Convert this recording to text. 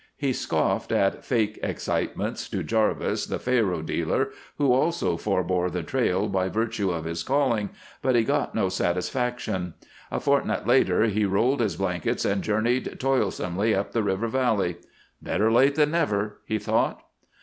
He scoffed at fake excitements to Jarvis, the faro dealer, who also forbore the trail by virtue of his calling, but he got no satisfaction. A fortnight later he rolled his blankets and journeyed toilsomely up the river valley. "Better late than never," he thought.